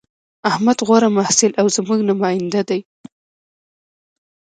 احمد غوره محصل او زموږ نماینده دی